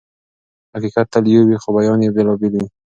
حقيقت تل يو وي خو بيان يې بېلابېل وي.